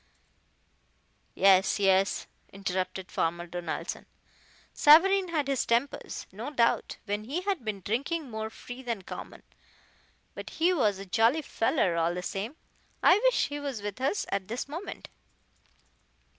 "Yes, yes," interrupted Farmer Donaldson; "Savareen had his tempers, no doubt, when he had been drinking more free than common; but he was a jolly feller, all the same. I wish he was with us at this moment."